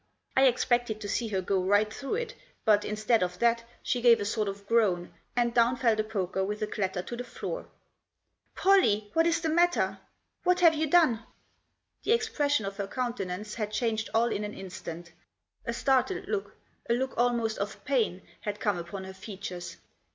I expected to see her go right through it, but, instead of that, she gave a sort of groan, and down fell the poker with a clatter to the floor. "Pollie, what is the matter? What have you done ?" The expression of her countenance had changed all in an instant. A startled look, a look almost of pain, had come upon her features.